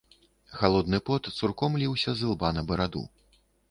Халодны пот цурком ліўся з ілба на бараду.